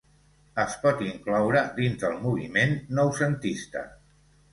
Es pot incloure dins del moviment noucentista.